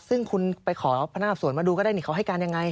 ซึ่งคุณไปขอพนักสวนมาดูก็ได้นี่เขาให้การยังไง